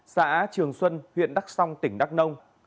xã trường xuân huyện đắc song tỉnh đắc đông